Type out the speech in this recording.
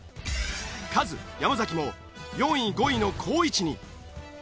カズ山崎も４位５位の好位置に。